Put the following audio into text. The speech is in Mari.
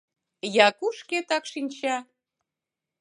Яку шкетак шинча.